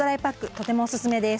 とてもおすすめです。